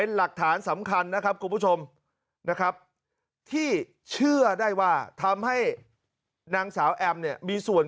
สักฐานสำคัญนะครับกลุ่มผู้ชมนะครับที่เชื่อได้ว่าทำให้นางสาวแอมมีส่วน